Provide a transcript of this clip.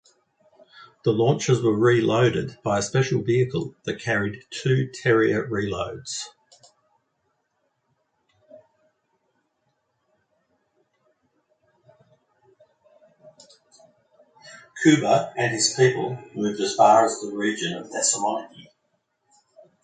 The launchers were reloaded by a special vehicle that carried two Terrier reloads.